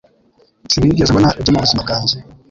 Sinigeze mbona ibyo mubuzima bwanjye.